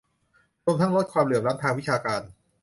รวมทั้งลดความเหลื่อมล้ำทางวิชาการ